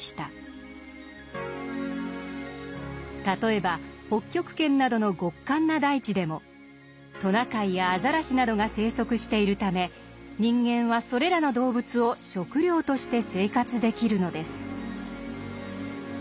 例えば北極圏などの極寒な大地でもトナカイやアザラシなどが生息しているため人間はそれらの動物を食料として生活できるのです。